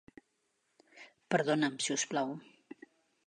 Perdona'm, si us plau.